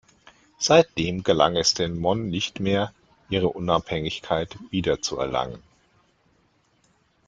Seitdem gelang es den Mon nicht mehr, ihre Unabhängigkeit wiederzuerlangen.